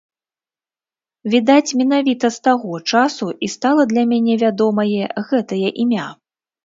Відаць, менавіта з таго часу і стала для мяне вядомае гэтае імя.